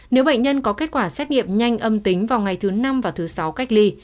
nếu bệnh nhân có kết quả xét nghiệm nhanh âm tính vào ngày thứ năm và thứ sáu cách ly